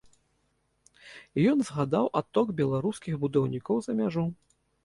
Ён згадаў адток беларускіх будаўнікоў за мяжу.